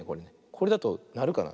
これだとなるかな。